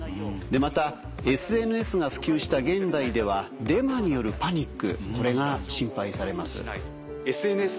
またＳＮＳが普及した現代ではデマによるパニックこれが心配されます。